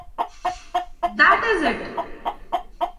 That is it.